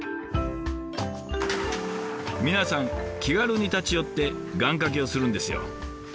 皆さん気軽に立ち寄って願かけをするんですよ。